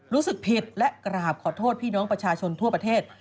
รู้สึกผิดและกราบขอโทษพี่น้องประชาชนทั่วประเทศ